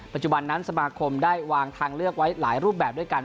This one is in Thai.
ปัจจุบันนั้นสมาคมได้วางทางเลือกไว้หลายรูปแบบด้วยกัน